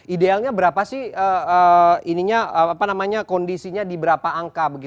idealnya berapa sih kondisinya di berapa angka